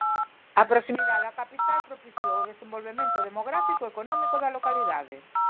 A proximidade á capital propiciou o desenvolvemento demográfico e económico da localidade.